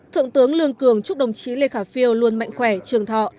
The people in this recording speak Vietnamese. thượng tướng lương cường chúc đồng chí lê khả phiêu luôn mạnh khỏe trường thọ